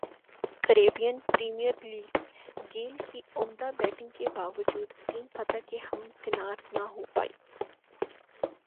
Caribbean premier league Gayle کی عمدہ batting کے باوجود ٹیم فتح سے ہمکنار نہ ہو پائی